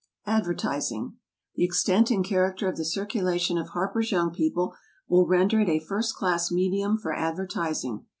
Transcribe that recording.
ADVERTISING. The extent and character of the circulation of HARPER'S YOUNG PEOPLE will render it a first class medium for advertising.